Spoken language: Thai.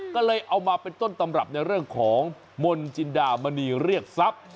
ก็เลยเอามาเป็นต้นตำรับในเรื่องของมนต์จินดามณีเรียกทรัพย์